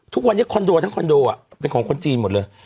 ทุกวันนี้คอนโดทั้งคอนโดเป็นของคนจีนหมดเลย